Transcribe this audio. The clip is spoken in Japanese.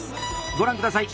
ご覧下さい。